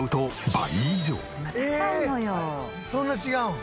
そんな違うん？